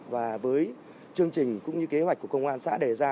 và với chương trình cũng như kế hoạch của công an xã đề ra